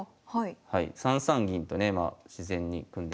３三銀とねまあ自然に組んできますが。